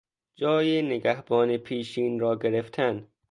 جای نگهبان پیشین را گرفتن